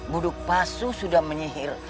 buduk basu sudah menyehir